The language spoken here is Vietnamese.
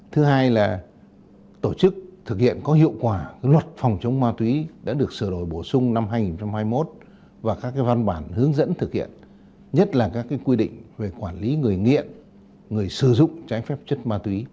thứ hai là tổ chức thực hiện có hiệu quả luật phòng chống ma túy đã được sửa đổi bổ sung năm hai nghìn hai mươi một và các văn bản hướng dẫn thực hiện nhất là các quy định về quản lý người nghiện người sử dụng trái phép chất ma túy